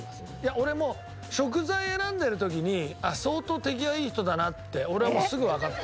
俺もう食材選んでる時に相当手際いい人だなって俺はもうすぐわかった。